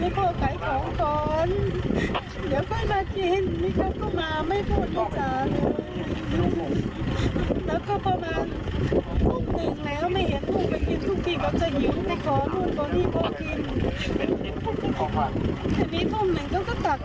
ให้พ่อขายของก่อนอย่าไปมากินนี่เขาก็มาไม่พอดีจ้ะ